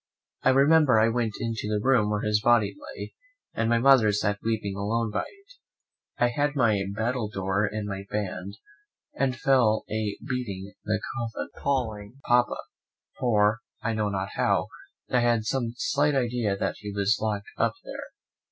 I remember I went into the room where his body lay, and my mother sat weeping alone by it. I had my battledore in my band, and fell a beating the coffin, and calling Papa; for, I know not how, I had some slight idea that he was locked up there.